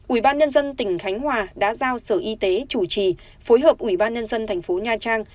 ủy ban nhân dân tỉnh khánh hòa đã giao sở y tế chủ trì phối hợp ủy ban nhân dân thành phố nha trang